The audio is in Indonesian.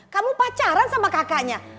kamu pacaran sama kakaknya